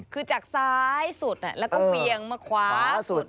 คือจากซ้ายสุดแล้วก็เวียงมาขวาสุด